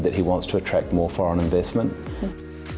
dia bilang bahwa dia ingin menarik investasi luar negara